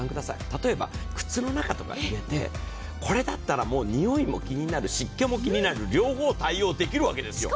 例えば靴の中とか入れてこれだったら臭いも気になる湿気も気になる、両方対応できるわけですよ。